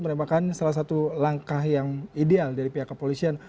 merupakan salah satu langkah yang ideal dari pihak kepolisian